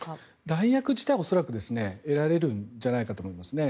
弾薬自体は恐らく得られるんじゃないかと思うんですね。